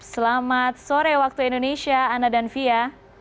selamat sore waktu indonesia ana dan fia